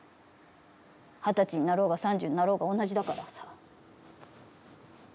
二十歳になろうが３０になろうが同じだからさ。